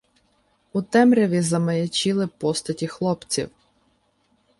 У темряві замаячіли постаті хлопців.